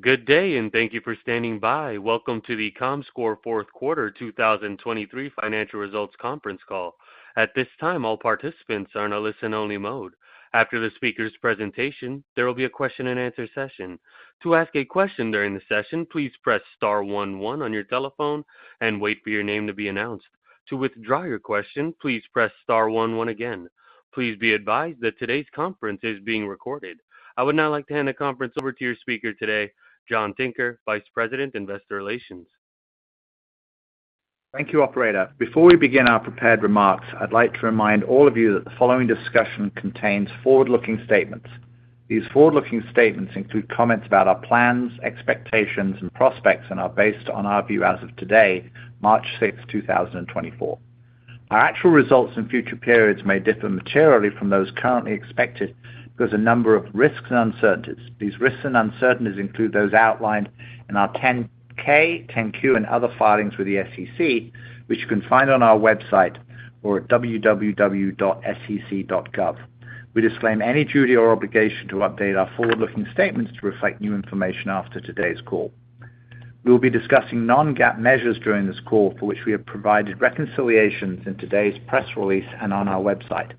Good day and thank you for standing by. Welcome to the Comscore fourth quarter 2023 financial results conference call. At this time, all participants are in a listen-only mode. After the speaker's presentation, there will be a question-and-answer session. To ask a question during the session, please press star one one on your telephone and wait for your name to be announced. To withdraw your question, please press star one one again. Please be advised that today's conference is being recorded. I would now like to hand the conference over to your speaker today, John Tinker, Vice President, Investor Relations. Thank you, Operator. Before we begin our prepared remarks, I'd like to remind all of you that the following discussion contains forward-looking statements. These forward-looking statements include comments about our plans, expectations, and prospects, and are based on our view as of today, March 6, 2024. Our actual results in future periods may differ materially from those currently expected because of a number of risks and uncertainties. These risks and uncertainties include those outlined in our 10-K, 10-Q, and other filings with the SEC, which you can find on our website or at www.sec.gov. We disclaim any duty or obligation to update our forward-looking statements to reflect new information after today's call. We will be discussing non-GAAP measures during this call for which we have provided reconciliations in today's press release and on our website.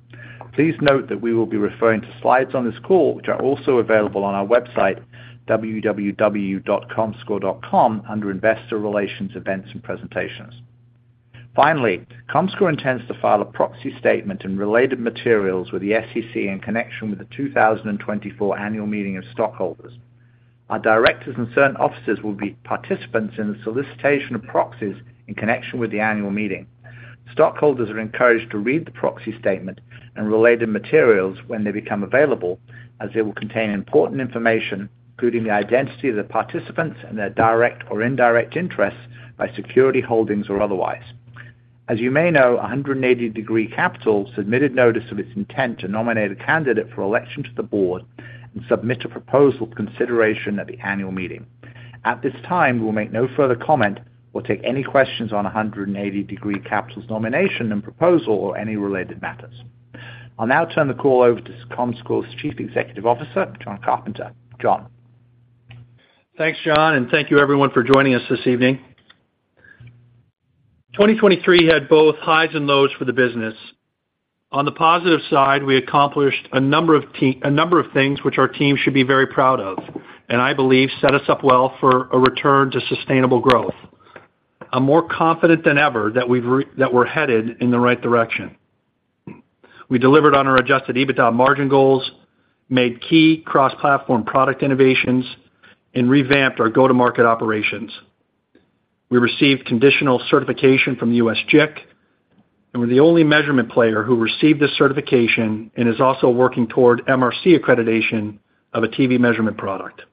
Please note that we will be referring to slides on this call, which are also available on our website, www.comscore.com, under Investor Relations Events and Presentations. Finally, Comscore intends to file a proxy statement and related materials with the SEC in connection with the 2024 annual meeting of stockholders. Our directors and certain officers will be participants in the solicitation of proxies in connection with the annual meeting. Stockholders are encouraged to read the proxy statement and related materials when they become available, as they will contain important information including the identity of the participants and their direct or indirect interests by security holdings or otherwise. As you may know, 180 Degree Capital submitted notice of its intent to nominate a candidate for election to the board and submit a proposal for consideration at the annual meeting. At this time, we will make no further comment or take any questions on 180 Degree Capital's nomination and proposal or any related matters. I'll now turn the call over to Comscore's Chief Executive Officer, Jon Carpenter. Jon. Thanks, John, and thank you, everyone, for joining us this evening. 2023 had both highs and lows for the business. On the positive side, we accomplished a number of things which our team should be very proud of, and I believe set us up well for a return to sustainable growth. I'm more confident than ever that we're headed in the right direction. We delivered on our Adjusted EBITDA margin goals, made key cross-platform product innovations, and revamped our go-to-market operations. We received conditional certification from the U.S. JIC, and we're the only measurement player who received this certification and is also working toward MRC accreditation of a TV measurement product.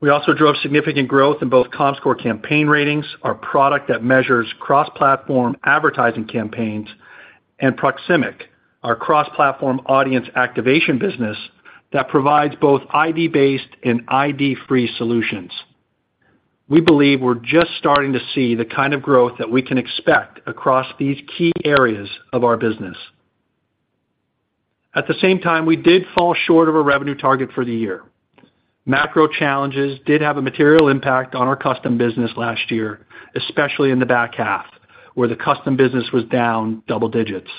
We also drove significant growth in both Comscore Campaign Ratings, our product that measures cross-platform advertising campaigns, and Proximic, our cross-platform audience activation business that provides both ID-based and ID-free solutions. We believe we're just starting to see the kind of growth that we can expect across these key areas of our business. At the same time, we did fall short of our revenue target for the year. Macro challenges did have a material impact on our custom business last year, especially in the back half, where the custom business was down double digits.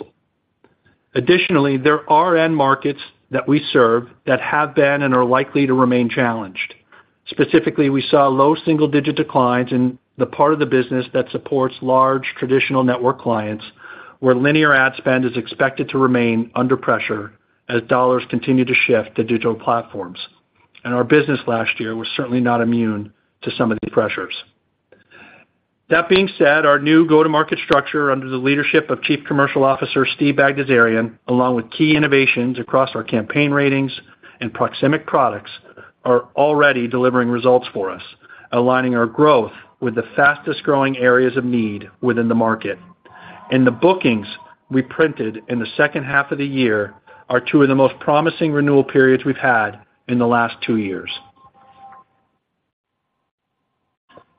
Additionally, there are end markets that we serve that have been and are likely to remain challenged. Specifically, we saw low single-digit declines in the part of the business that supports large traditional network clients where linear ad spend is expected to remain under pressure as dollars continue to shift to digital platforms. Our business last year was certainly not immune to some of these pressures. That being said, our new go-to-market structure under the leadership of Chief Commercial Officer Steve Bagdasarian, along with key innovations across our Campaign Ratings and Proximic products, are already delivering results for us, aligning our growth with the fastest-growing areas of need within the market. And the bookings we printed in the second half of the year are two of the most promising renewal periods we've had in the last two years.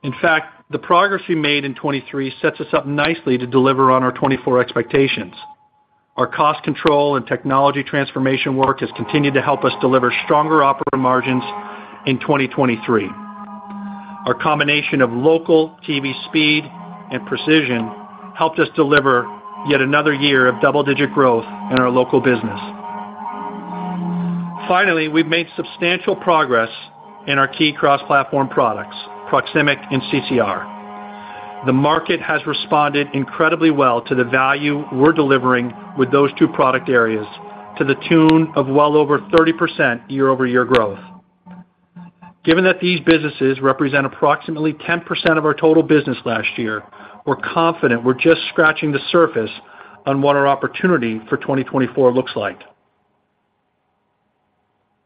In fact, the progress we made in 2023 sets us up nicely to deliver on our 2024 expectations. Our cost control and technology transformation work has continued to help us deliver stronger operating margins in 2023. Our combination of local TV speed and precision helped us deliver yet another year of double-digit growth in our local business. Finally, we've made substantial progress in our key cross-platform products, Proximic and CCR. The market has responded incredibly well to the value we're delivering with those two product areas to the tune of well over 30% year-over-year growth. Given that these businesses represent approximately 10% of our total business last year, we're confident we're just scratching the surface on what our opportunity for 2024 looks like.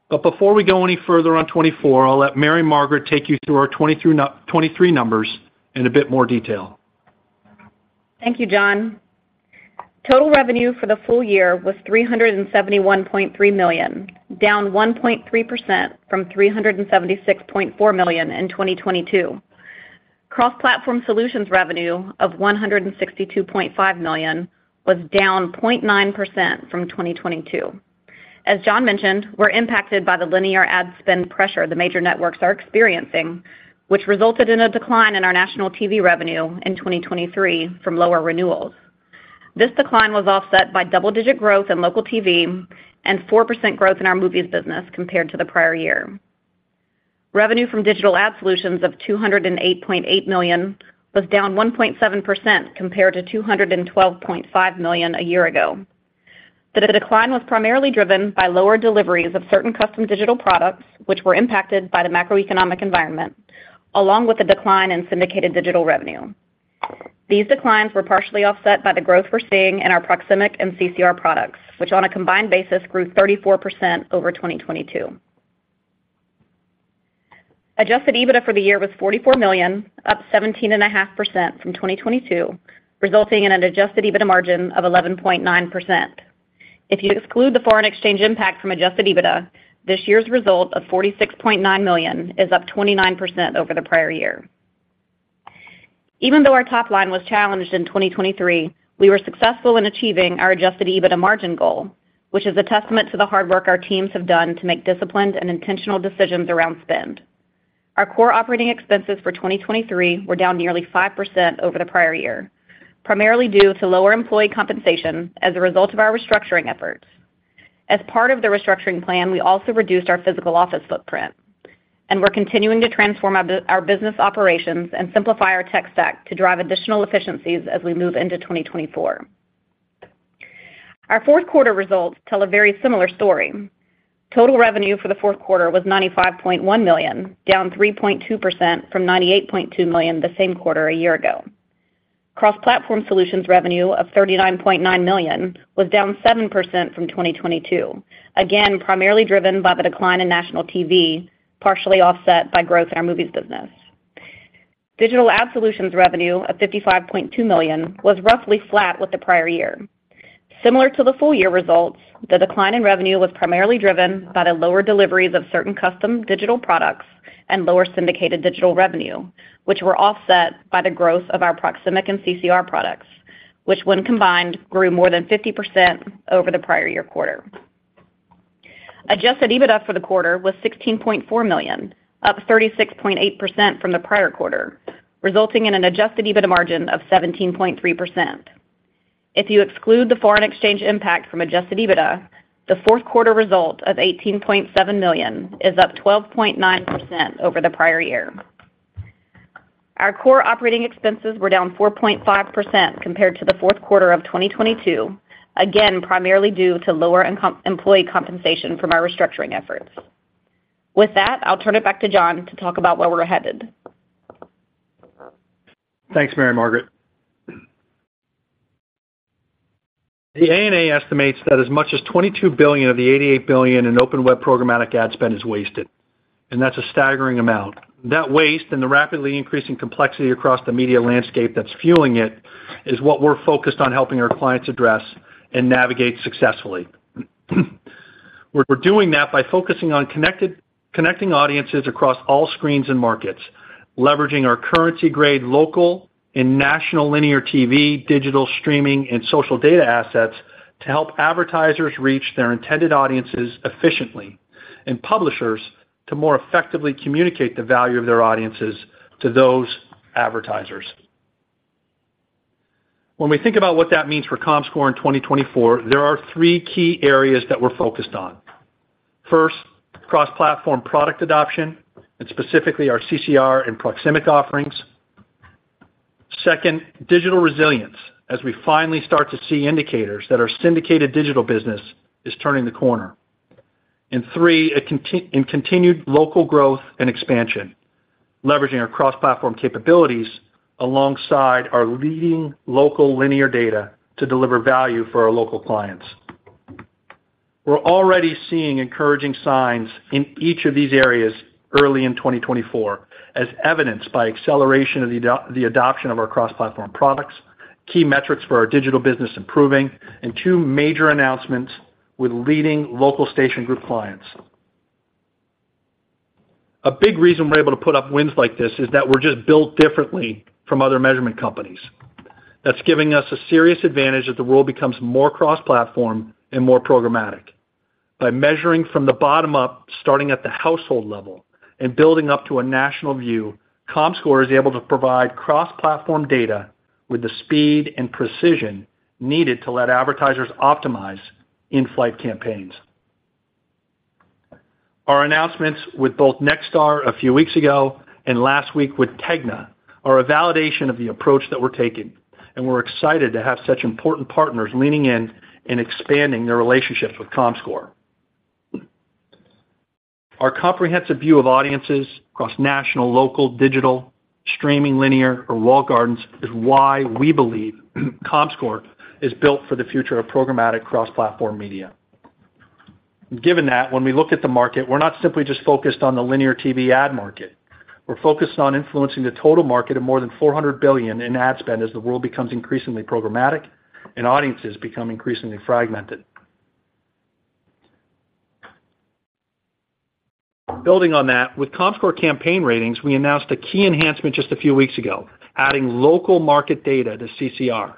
But before we go any further on 2024, I'll let Mary Margaret take you through our 2023 numbers in a bit more detail. Thank you, Jon. Total revenue for the full year was $371.3 million, down 1.3% from $376.4 million in 2022. Cross-platform solutions revenue of $162.5 million was down 0.9% from 2022. As Jon mentioned, we're impacted by the linear ad spend pressure the major networks are experiencing, which resulted in a decline in our national TV revenue in 2023 from lower renewals. This decline was offset by double-digit growth in local TV and 4% growth in our movies business compared to the prior year. Revenue from digital ad solutions of $208.8 million was down 1.7% compared to $212.5 million a year ago. The decline was primarily driven by lower deliveries of certain custom digital products, which were impacted by the macroeconomic environment, along with a decline in syndicated digital revenue. These declines were partially offset by the growth we're seeing in our Proximic and CCR products, which on a combined basis grew 34% over 2022. Adjusted EBITDA for the year was $44 million, up 17.5% from 2022, resulting in an Adjusted EBITDA margin of 11.9%. If you exclude the foreign exchange impact from Adjusted EBITDA, this year's result of $46.9 million is up 29% over the prior year. Even though our top line was challenged in 2023, we were successful in achieving our Adjusted EBITDA margin goal, which is a testament to the hard work our teams have done to make disciplined and intentional decisions around spend. Our core operating expenses for 2023 were down nearly 5% over the prior year, primarily due to lower employee compensation as a result of our restructuring efforts. As part of the restructuring plan, we also reduced our physical office footprint, and we're continuing to transform our business operations and simplify our tech stack to drive additional efficiencies as we move into 2024. Our fourth quarter results tell a very similar story. Total revenue for the fourth quarter was $95.1 million, down 3.2% from $98.2 million the same quarter a year ago. Cross-platform solutions revenue of $39.9 million was down 7% from 2022, again primarily driven by the decline in national TV, partially offset by growth in our movies business. Digital ad solutions revenue of $55.2 million was roughly flat with the prior year. Similar to the full-year results, the decline in revenue was primarily driven by the lower deliveries of certain custom digital products and lower syndicated digital revenue, which were offset by the growth of our Proximic and CCR products, which when combined grew more than 50% over the prior year quarter. Adjusted EBITDA for the quarter was $16.4 million, up 36.8% from the prior quarter, resulting in an Adjusted EBITDA margin of 17.3%. If you exclude the foreign exchange impact from Adjusted EBITDA, the fourth quarter result of $18.7 million is up 12.9% over the prior year. Our core operating expenses were down 4.5% compared to the fourth quarter of 2022, again primarily due to lower employee compensation from our restructuring efforts. With that, I'll turn it back to Jon to talk about where we're headed. Thanks, Mary Margaret. The ANA estimates that as much as $22 billion of the $88 billion in open web programmatic ad spend is wasted, and that's a staggering amount. That waste and the rapidly increasing complexity across the media landscape that's fueling it is what we're focused on helping our clients address and navigate successfully. We're doing that by focusing on connecting audiences across all screens and markets, leveraging our currency-grade local and national linear TV, digital streaming, and social data assets to help advertisers reach their intended audiences efficiently and publishers to more effectively communicate the value of their audiences to those advertisers. When we think about what that means for Comscore in 2024, there are three key areas that we're focused on. First, cross-platform product adoption, and specifically our CCR and Proximic offerings. Second, digital resilience, as we finally start to see indicators that our syndicated digital business is turning the corner. And three, continued local growth and expansion, leveraging our cross-platform capabilities alongside our leading local linear data to deliver value for our local clients. We're already seeing encouraging signs in each of these areas early in 2024, as evidenced by acceleration of the adoption of our cross-platform products, key metrics for our digital business improving, and two major announcements with leading local station group clients. A big reason we're able to put up wins like this is that we're just built differently from other measurement companies. That's giving us a serious advantage as the world becomes more cross-platform and more programmatic. By measuring from the bottom up, starting at the household level, and building up to a national view, Comscore is able to provide cross-platform data with the speed and precision needed to let advertisers optimize in-flight campaigns. Our announcements with both Nexstar a few weeks ago and last week with TEGNA are a validation of the approach that we're taking, and we're excited to have such important partners leaning in and expanding their relationships with Comscore. Our comprehensive view of audiences across national, local, digital, streaming, linear, or walled gardens is why we believe Comscore is built for the future of programmatic cross-platform media. Given that, when we look at the market, we're not simply just focused on the linear TV ad market. We're focused on influencing the total market of more than $400 billion in ad spend as the world becomes increasingly programmatic and audiences become increasingly fragmented. Building on that, with Comscore Campaign Ratings, we announced a key enhancement just a few weeks ago, adding local market data to CCR.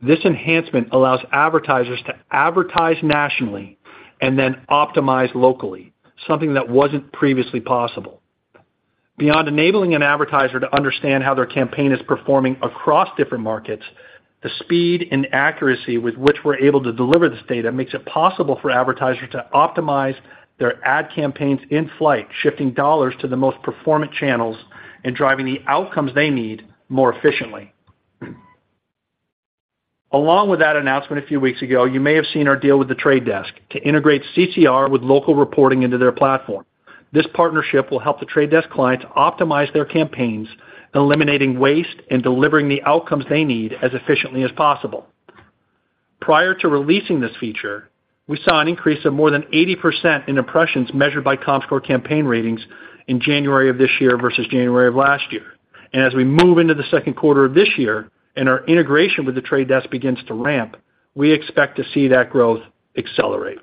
This enhancement allows advertisers to advertise nationally and then optimize locally, something that wasn't previously possible. Beyond enabling an advertiser to understand how their campaign is performing across different markets, the speed and accuracy with which we're able to deliver this data makes it possible for advertisers to optimize their ad campaigns in-flight, shifting dollars to the most performant channels and driving the outcomes they need more efficiently. Along with that announcement a few weeks ago, you may have seen our deal with The Trade Desk to integrate CCR with local reporting into their platform. This partnership will help The Trade Desk clients optimize their campaigns, eliminating waste, and delivering the outcomes they need as efficiently as possible. Prior to releasing this feature, we saw an increase of more than 80% in impressions measured by Comscore Campaign Ratings in January of this year versus January of last year. And as we move into the second quarter of this year and our integration with The Trade Desk begins to ramp, we expect to see that growth accelerate.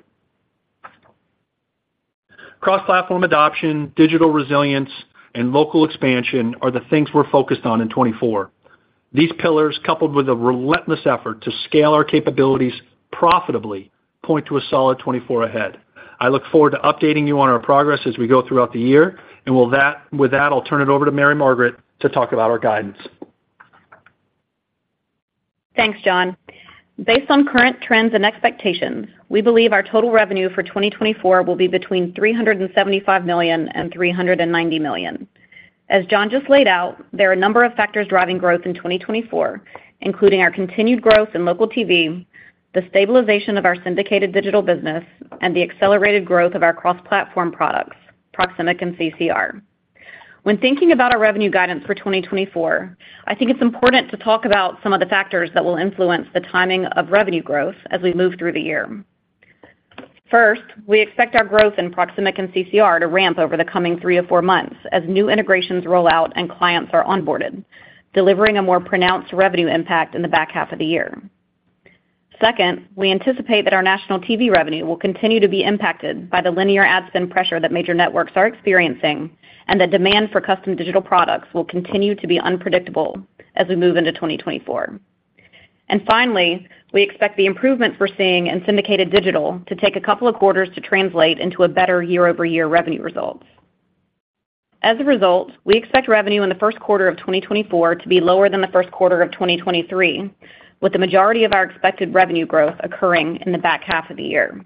Cross-platform adoption, digital resilience, and local expansion are the things we're focused on in 2024. These pillars, coupled with a relentless effort to scale our capabilities profitably, point to a solid 2024 ahead. I look forward to updating you on our progress as we go throughout the year. And with that, I'll turn it over to Mary Margaret to talk about our guidance. Thanks, Jon. Based on current trends and expectations, we believe our total revenue for 2024 will be between $375 million and $390 million. As Jon just laid out, there are a number of factors driving growth in 2024, including our continued growth in local TV, the stabilization of our syndicated digital business, and the accelerated growth of our cross-platform products, Proximic and CCR. When thinking about our revenue guidance for 2024, I think it's important to talk about some of the factors that will influence the timing of revenue growth as we move through the year. First, we expect our growth in Proximic and CCR to ramp over the coming three or four months as new integrations roll out and clients are onboarded, delivering a more pronounced revenue impact in the back half of the year. Second, we anticipate that our national TV revenue will continue to be impacted by the linear ad spend pressure that major networks are experiencing and that demand for custom digital products will continue to be unpredictable as we move into 2024. And finally, we expect the improvements we're seeing in syndicated digital to take a couple of quarters to translate into a better year-over-year revenue results. As a result, we expect revenue in the first quarter of 2024 to be lower than the first quarter of 2023, with the majority of our expected revenue growth occurring in the back half of the year.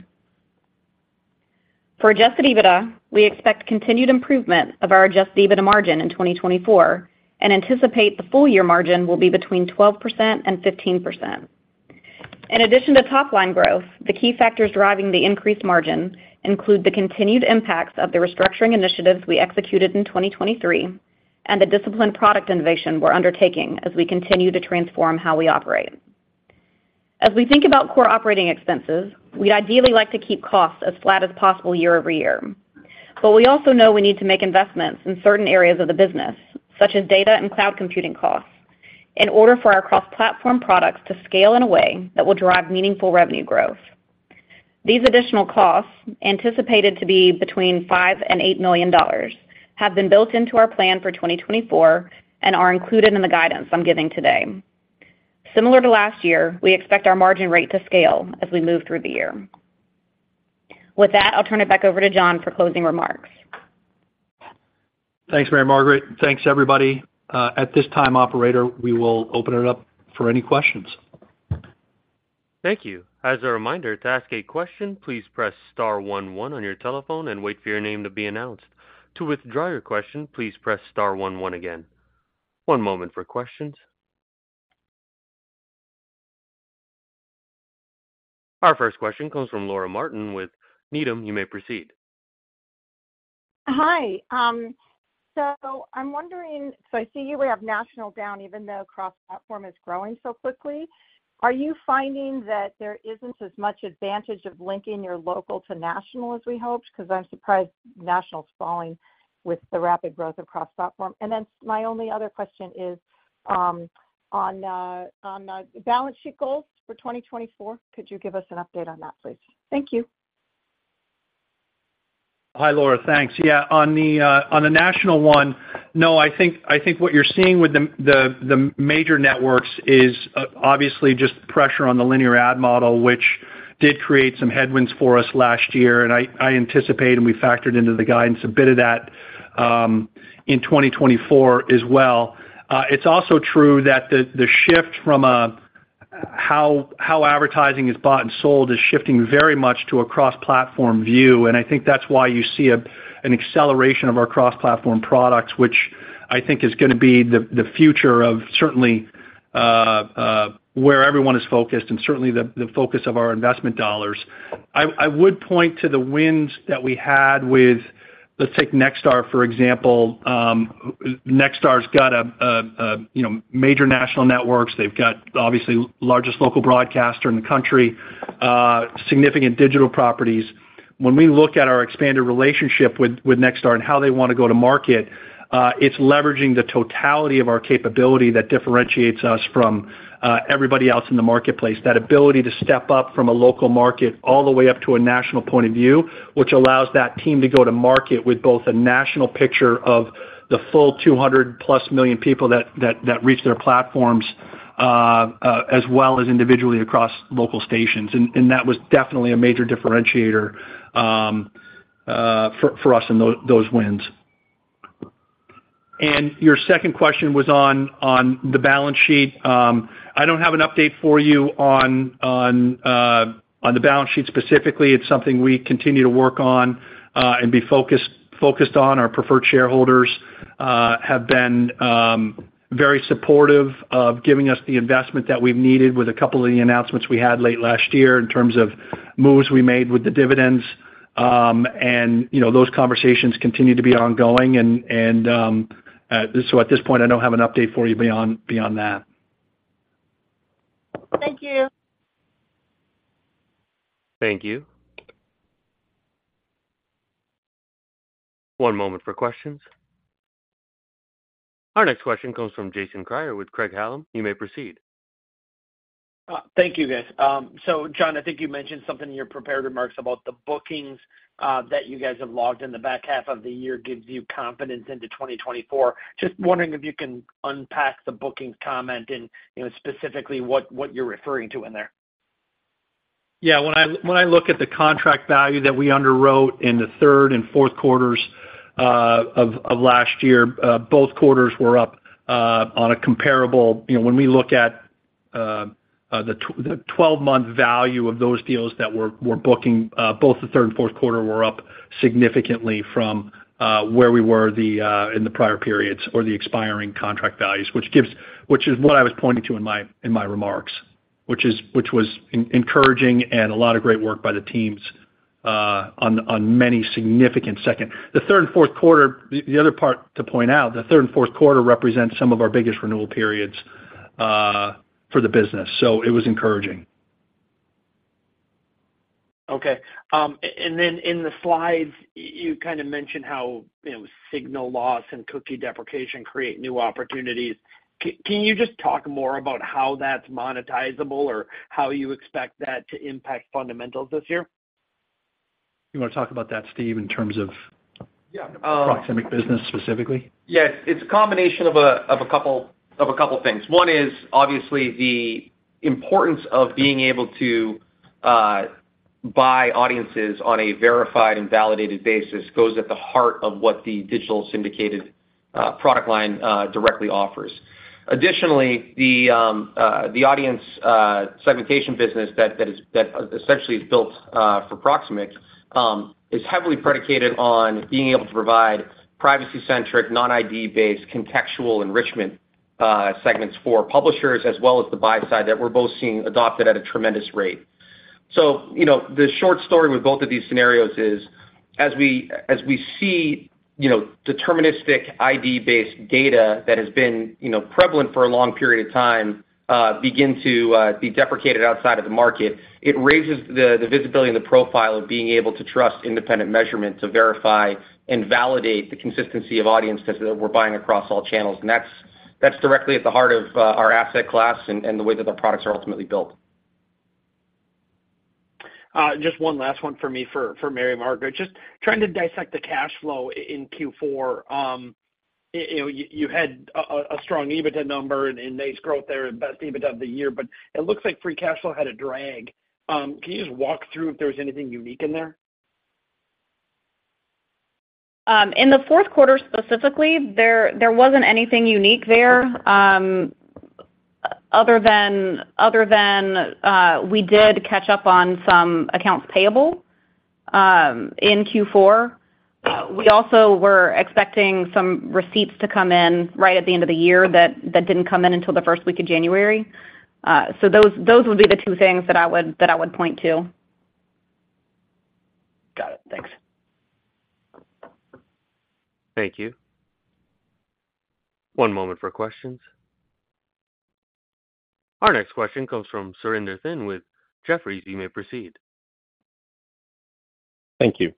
For Adjusted EBITDA, we expect continued improvement of our Adjusted EBITDA margin in 2024 and anticipate the full-year margin will be between 12% and 15%. In addition to top line growth, the key factors driving the increased margin include the continued impacts of the restructuring initiatives we executed in 2023 and the disciplined product innovation we're undertaking as we continue to transform how we operate. As we think about core operating expenses, we'd ideally like to keep costs as flat as possible year-over-year. But we also know we need to make investments in certain areas of the business, such as data and cloud computing costs, in order for our cross-platform products to scale in a way that will drive meaningful revenue growth. These additional costs, anticipated to be between $5 million-$8 million, have been built into our plan for 2024 and are included in the guidance I'm giving today. Similar to last year, we expect our margin rate to scale as we move through the year. With that, I'll turn it back over to Jon for closing remarks. Thanks, Mary Margaret. Thanks, everybody. At this time, operator, we will open it up for any questions. Thank you. As a reminder, to ask a question, please press star one one on your telephone and wait for your name to be announced. To withdraw your question, please press star one one again. One moment for questions. Our first question comes from Laura Martin with Needham. You may proceed. Hi. So I'm wondering, so I see you have national down even though cross-platform is growing so quickly. Are you finding that there isn't as much advantage of linking your local to national as we hoped? Because I'm surprised national's falling with the rapid growth of cross-platform. And then my only other question is, on the balance sheet goals for 2024, could you give us an update on that, please? Thank you. Hi, Laura. Thanks. Yeah, on the national one, no, I think what you're seeing with the major networks is obviously just pressure on the linear ad model, which did create some headwinds for us last year. And I anticipate, and we factored into the guidance a bit of that in 2024 as well. It's also true that the shift from how advertising is bought and sold is shifting very much to a cross-platform view. And I think that's why you see an acceleration of our cross-platform products, which I think is going to be the future of certainly where everyone is focused and certainly the focus of our investment dollars. I would point to the wins that we had with let's take Nexstar, for example. Nexstar's got major national networks. They've got, obviously, largest local broadcaster in the country, significant digital properties. When we look at our expanded relationship with Nexstar and how they want to go to market, it's leveraging the totality of our capability that differentiates us from everybody else in the marketplace, that ability to step up from a local market all the way up to a national point of view, which allows that team to go to market with both a national picture of the full 200+ million people that reach their platforms as well as individually across local stations. That was definitely a major differentiator for us in those wins. Your second question was on the balance sheet. I don't have an update for you on the balance sheet specifically. It's something we continue to work on and be focused on. Our preferred shareholders have been very supportive of giving us the investment that we've needed with a couple of the announcements we had late last year in terms of moves we made with the dividends. Those conversations continue to be ongoing. At this point, I don't have an update for you beyond that. Thank you. Thank you. One moment for questions. Our next question comes from Jason Kreyer with Craig-Hallum. You may proceed. Thank you, guys. So, Jon, I think you mentioned something in your prepared remarks about the bookings that you guys have logged in the back half of the year gives you confidence into 2024. Just wondering if you can unpack the bookings comment and specifically what you're referring to in there. Yeah. When I look at the contract value that we underwrote in the third and fourth quarters of last year, both quarters were up on a comparable when we look at the 12-month value of those deals that we're booking. Both the third and fourth quarter were up significantly from where we were in the prior periods or the expiring contract values, which is what I was pointing to in my remarks, which was encouraging and a lot of great work by the teams on many significant second the third and fourth quarter. The other part to point out, the third and fourth quarter represents some of our biggest renewal periods for the business. So it was encouraging. Okay. And then in the slides, you kind of mentioned how signal loss and cookie deprecation create new opportunities. Can you just talk more about how that's monetizable or how you expect that to impact fundamentals this year? You want to talk about that, Steve, in terms of Proximic business specifically? Yes. It's a combination of a couple of things. One is, obviously, the importance of being able to buy audiences on a verified and validated basis goes at the heart of what the digital syndicated product line directly offers. Additionally, the audience segmentation business that essentially is built for Proximic is heavily predicated on being able to provide privacy-centric, non-ID-based, contextual enrichment segments for publishers as well as the buy side that we're both seeing adopted at a tremendous rate. So the short story with both of these scenarios is, as we see deterministic ID-based data that has been prevalent for a long period of time begin to be deprecated outside of the market, it raises the visibility and the profile of being able to trust independent measurement to verify and validate the consistency of audience tests that we're buying across all channels. That's directly at the heart of our asset class and the way that our products are ultimately built. Just one last one for me for Mary Margaret. Just trying to dissect the cash flow in Q4. You had a strong EBITDA number and nice growth there and best EBITDA of the year. But it looks like free cash flow had a drag. Can you just walk through if there was anything unique in there? In the fourth quarter specifically, there wasn't anything unique there other than we did catch up on some accounts payable in Q4. We also were expecting some receipts to come in right at the end of the year that didn't come in until the first week of January. So those would be the two things that I would point to. Got it. Thanks. Thank you. One moment for questions. Our next question comes from Surinder Thind with Jefferies. You may proceed. Thank you.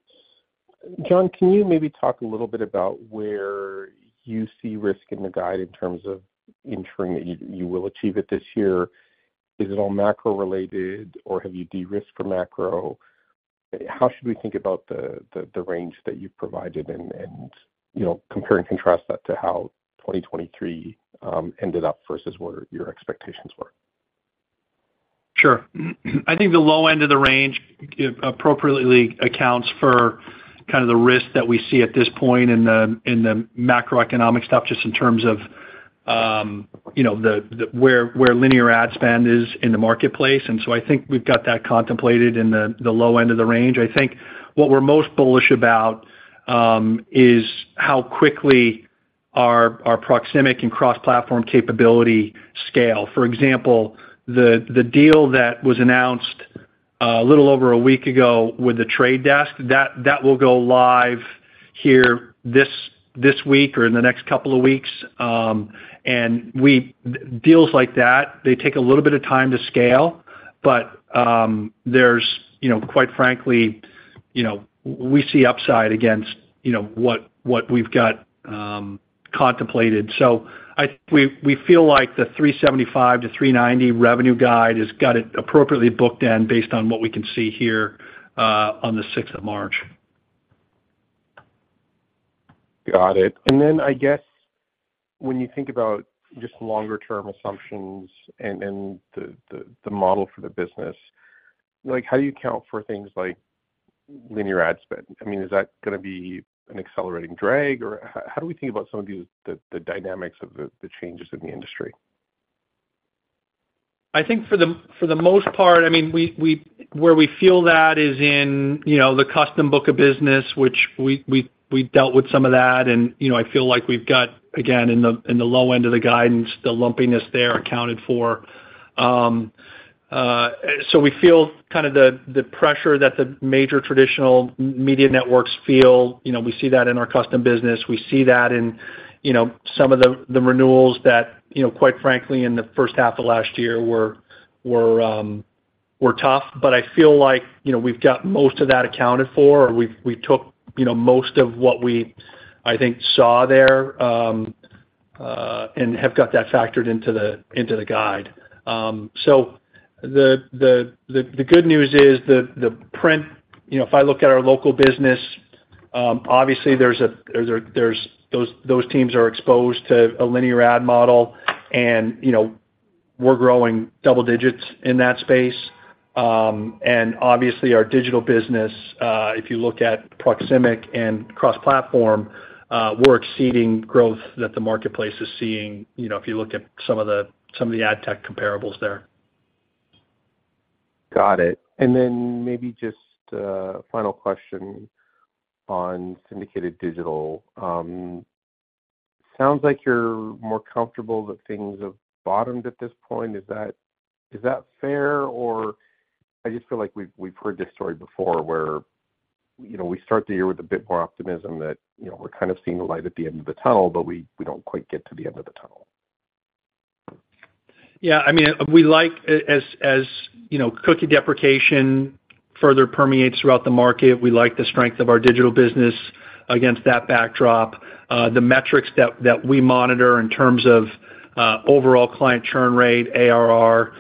Jon, can you maybe talk a little bit about where you see risk in the guide in terms of ensuring that you will achieve it this year? Is it all macro-related, or have you de-risked for macro? How should we think about the range that you've provided and compare and contrast that to how 2023 ended up versus where your expectations were? Sure. I think the low end of the range appropriately accounts for kind of the risk that we see at this point in the macroeconomic stuff just in terms of where linear ad spend is in the marketplace. And so I think we've got that contemplated in the low end of the range. I think what we're most bullish about is how quickly our Proximic and cross-platform capability scale. For example, the deal that was announced a little over a week ago with The Trade Desk, that will go live here this week or in the next couple of weeks. And deals like that, they take a little bit of time to scale. But there's, quite frankly, we see upside against what we've got contemplated. So I think we feel like the $375-$390 revenue guide has got it appropriately booked in based on what we can see here on the 6th of March. Got it. And then I guess when you think about just longer-term assumptions and the model for the business, how do you account for things like linear ad spend? I mean, is that going to be an accelerating drag, or how do we think about some of the dynamics of the changes in the industry? I think for the most part, I mean, where we feel that is in the custom book of business, which we dealt with some of that. And I feel like we've got, again, in the low end of the guidance, the lumpiness there accounted for. So we feel kind of the pressure that the major traditional media networks feel. We see that in our custom business. We see that in some of the renewals that, quite frankly, in the first half of last year were tough. But I feel like we've got most of that accounted for, or we took most of what we, I think, saw there and have got that factored into the guide. So the good news is the print if I look at our local business, obviously, those teams are exposed to a linear ad model. And we're growing double digits in that space. And obviously, our digital business, if you look at Proximic and cross-platform, we're exceeding growth that the marketplace is seeing if you look at some of the ad tech comparables there. Got it. And then maybe just final question on syndicated digital. Sounds like you're more comfortable that things have bottomed at this point. Is that fair, or I just feel like we've heard this story before where we start the year with a bit more optimism that we're kind of seeing the light at the end of the tunnel, but we don't quite get to the end of the tunnel. Yeah. I mean, as cookie deprecation further permeates throughout the market, we like the strength of our digital business against that backdrop. The metrics that we monitor in terms of overall client churn rate, ARR,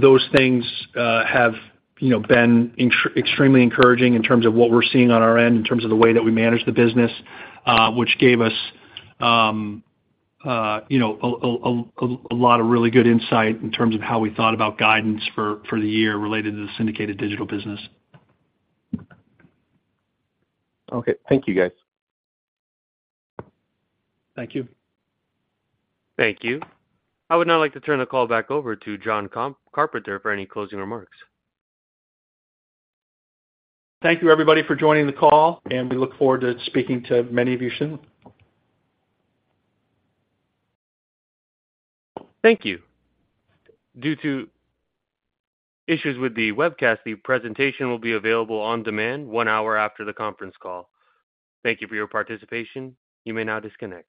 those things have been extremely encouraging in terms of what we're seeing on our end in terms of the way that we manage the business, which gave us a lot of really good insight in terms of how we thought about guidance for the year related to the syndicated digital business. Okay. Thank you, guys. Thank you. Thank you. I would now like to turn the call back over to Jon Carpenter for any closing remarks. Thank you, everybody, for joining the call. We look forward to speaking to many of you soon. Thank you. Due to issues with the webcast, the presentation will be available on demand one hour after the conference call. Thank you for your participation. You may now disconnect.